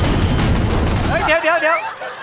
เฮ้ยเดี๋ยวเดี๋ยวเดี๋ยว